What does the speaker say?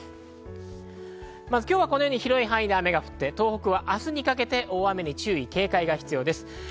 今日は広い範囲で雨が降って、東北は明日にかけて大雨に注意・警戒が必要です。